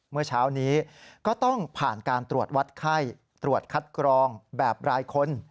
เมื่อเช้านี้ก็ต้องผ่านการตรวจวัดไข้ตรวจคัดกรองแบบรายคน